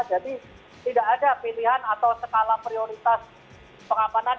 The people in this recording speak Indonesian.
jadi tidak ada pilihan atau skala prioritas pengamanan